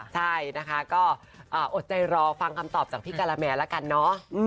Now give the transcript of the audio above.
ใช่นะคะก็อดใจรอฟังคำตอบจากพี่การาแมนละกันเนอะ